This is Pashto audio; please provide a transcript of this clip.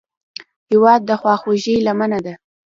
هېواد د خواخوږۍ لمنه ده.